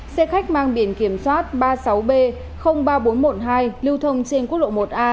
xe khách mang biển kiểm soát ba mươi sáu b ba nghìn bốn trăm một mươi hai lưu thông trên quốc lộ một a